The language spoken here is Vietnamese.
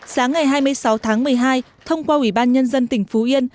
sáng ngày hai mươi sáu tháng một mươi hai thông qua ủy ban nhân dân tỉnh phú yên